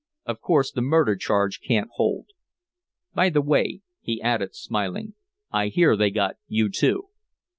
Of course the murder charge can't hold.... By the way," he added, smiling, "I hear they got you, too."